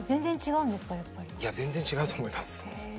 違うと思います。